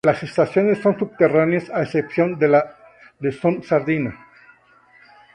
Las estaciones son subterráneas, a excepción de la de Son Sardina.